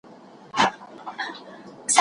پرمختللي هېوادونه تر موږ مخکې دي.